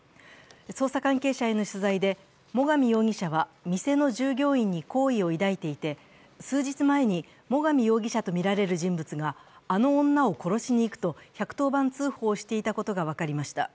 捜査関係者への取材で、最上容疑者は店の従業員に好意を抱いていて、数日前に、最上容疑者とみられる人物があの女を殺しにいくと１１０番通報していたことが分かりました。